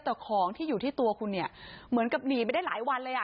แต่ของที่อยู่ที่ตัวคุณเนี่ยเหมือนกับหนีไปได้หลายวันเลยอ่ะ